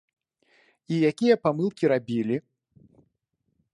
І якія памылкі рабілі?